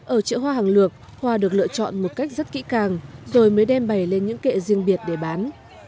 ở chợ hoa hàng lược hoa được lựa chọn một cách rất kỹ càng rồi mới đem bày lên những kệ riêng biệt để bán